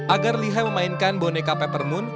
agar lihai memainkan boneka peppermoon